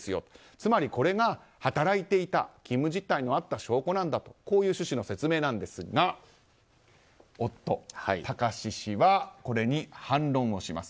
つまり、これが働いていた勤務実態のあった証拠なんだとこういう趣旨の説明なんですが夫・貴志氏はこれに反論をします。